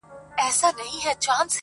o د سرو پېزوانه گړنگو زوړ کړې٫